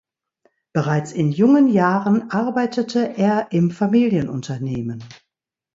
Bereits in jungen Jahren arbeitete er im Familienunternehmen.